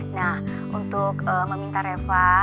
nah untuk meminta reva